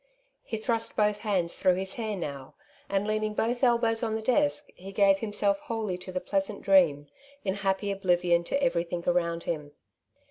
He thrust both hands through his hair now, and leaning both elbows on the desk gave himself wholly to the pleasant dream, in happy oblivion to everything around him.